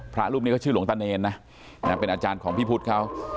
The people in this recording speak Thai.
พระรูปนี้เขาชื่อหลวงตาเนรนะเป็นอาจารย์ของพี่พุทธเขา